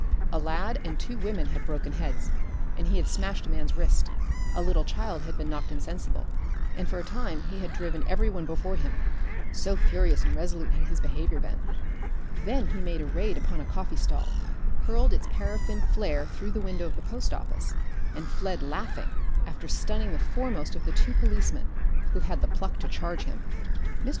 A lad and two women had broken heads, and he had smashed a man's wrist; a little child had been knocked insensible, and for a time he had driven every one before him, so furious and resolute had his behaviour been. Then he made a raid upon a coffee stall, hurled its paraffin flare through the window of the post office, and fled laughing, after stunning the foremost of the two policemen who had the pluck to charge him. Mr.